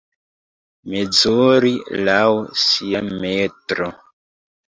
Mezuri laŭ sia metro.